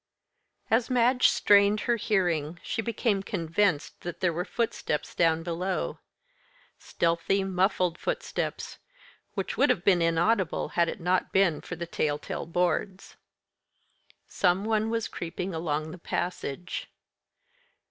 As Madge strained her hearing, she became convinced that there were footsteps down below stealthy, muffled footsteps, which would have been inaudible had it not been for the tell tale boards. Some one was creeping along the passage.